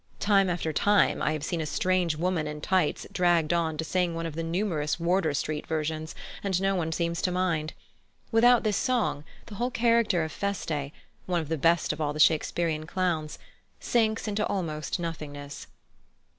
Time after time I have seen a strange woman in tights dragged on to sing one of the numerous Wardour Street versions, and no one seems to mind. Without this song, the whole character of Feste, one of the best of all the Shakespearian clowns, sinks into almost nothingness.